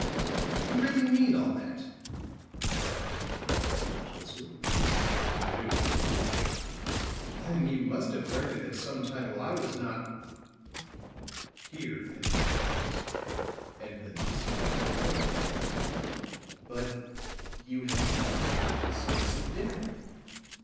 "You really mean all that?" cried Pendleton, incredulously. "I do." "Then you must have learned it at some time while I was not " here Pendleton paused, and then proceeded in another tone. "But you have not been out of my sight since dinner.